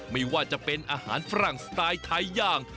ไม่ว่าจะเป็นอาหารฝรั่งสไตล์ไทยย่าง